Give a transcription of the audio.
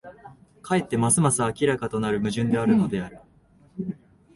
かえってますます明らかとなる矛盾であるのである。